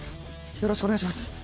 よろしくお願いします